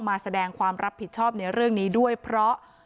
มาแสดงความรับผิดชอบในเรื่องนี้ด้วยเพราะ